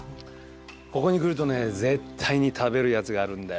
ここに来るとね絶対に食べるやつがあるんだよ。